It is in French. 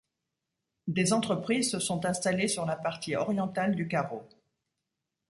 Des entreprises se sont installées sur la partie orientale du carreau.